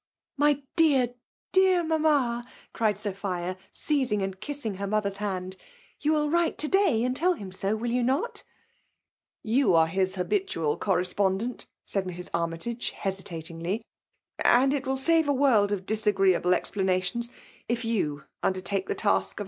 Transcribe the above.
*< My dear, dear mamma !'' cried Sophia, seimng and kissing her mother's hand. You will write, to day and teQ him so, will you iiot^ .^ Yeu are his habitual correspondent,*' said Mrs. Aimytage, hesitatingly ; "audit will save & wivld of disagreeable explanation^^, if you undertake tSie task of.